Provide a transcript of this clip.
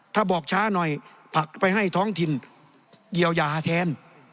ถ้าบอกช้าหน่อยผักไปให้ท้องถิ่นเยียวยาแทน